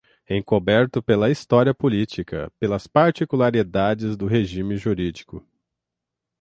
encoberto pela história política, pelas particularidades do regime jurídico